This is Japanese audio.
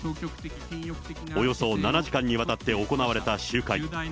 およそ７時間にわたって行われた集会。